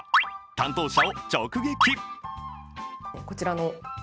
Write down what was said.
担当者を直撃。